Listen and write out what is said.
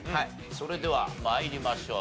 それでは参りましょう。